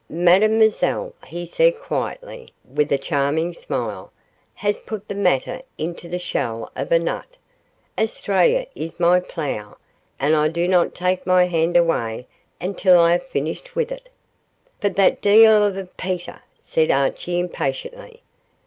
'Mademoiselle,' he said, quietly, with a charming smile, 'has put the matter into the shell of a nut; Australia is my plough, and I do not take my hand away until I have finished with it.' 'But that deil o' a Peter,' said Archie, impatiently.